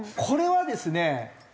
これはですね